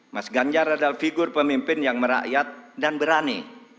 mas ganjar adalah figur pemimpin yang merakyat dan berani